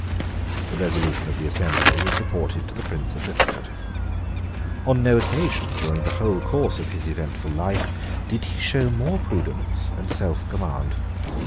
The resolution of the assembly was reported to the Prince at Littlecote. On no occasion during the whole course of his eventful life did he show more prudence and selfcommand.